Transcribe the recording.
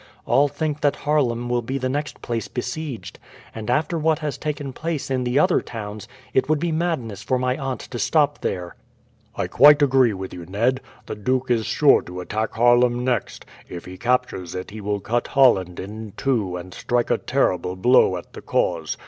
All think that Haarlem will be the next place besieged, and after what has taken place in the other towns it would be madness for my aunt to stop there." "I quite agree with you, Ned. The duke is sure to attack Haarlem next. If he captures it he will cut Holland in two and strike a terrible blow at the cause.